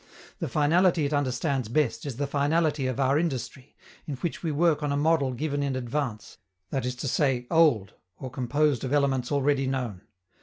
The finality it understands best is the finality of our industry, in which we work on a model given in advance, that is to say, old or composed of elements already known.